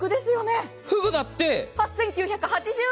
ふぐだって８９８０円。